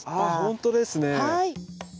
あほんとですね。